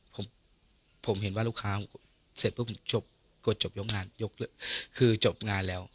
ผมผมเห็นว่าลูกค้าเสร็จปุ๊บผมจบกดจบยกงานยกคือจบงานแล้ว